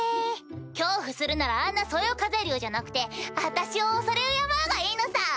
恐怖するならあんなそよ風竜じゃなくてあたしを恐れ敬うがいいのさ！